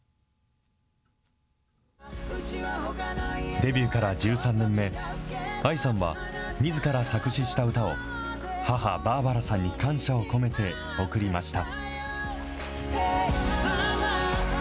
デビューから１３年目、ＡＩさんは、みずから作詞した歌を、母、バーバラさんに感謝を込めて贈りました。